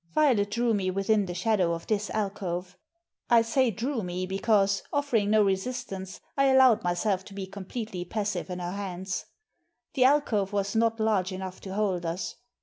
Violet drew me within the shadow of this alcove. I say drew me because, offering no resistance, I allowed myself to be completely passive in her hands. The alcove was not large enough to hold us.